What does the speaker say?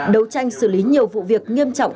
đấu tranh xử lý nhiều vụ việc nghiêm trọng